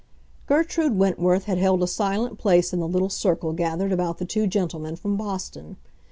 Gertrude Wentworth had held a silent place in the little circle gathered about the two gentlemen from Boston.